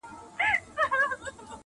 يوه ورځ چي گيند را خوشي سو ميدان ته؛